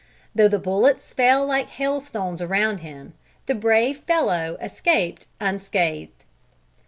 Though the bullets fell like hailstones around him, the brave fellow escaped unscathed.